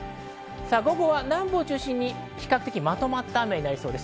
午後は南部を中心に比較的まとまった雨になりそうです。